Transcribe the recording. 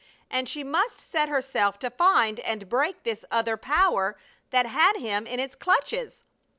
And she must set herself to find and break this other power that had him in its clutches.